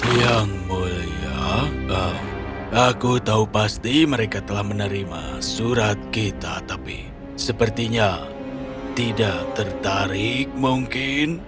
yang mulia aku tahu pasti mereka telah menerima surat kita tapi sepertinya tidak tertarik mungkin